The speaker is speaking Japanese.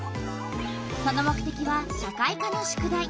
その目てきは社会科の宿題。